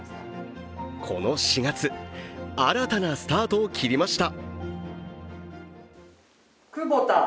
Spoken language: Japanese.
この４月、新たなスタートを切りました。